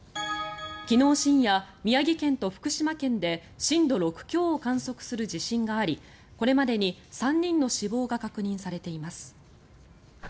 昨日深夜、宮城県と福島県で震度６強を観測する地震がありこれまでに３人の死亡が確認されています。